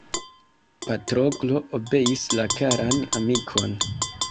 Patroklo obeis la karan amikon.